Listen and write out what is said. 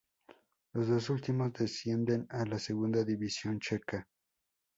Los dos últimos descienden a la segunda división checa.